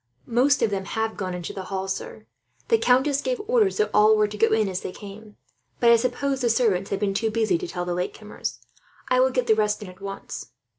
"Most of them have gone into the hall, sir. The countess gave orders that all were to go in as they came; but I suppose the servants have been too busy to tell the latecomers. I will get the rest in, at once."